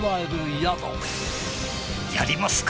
やりますか？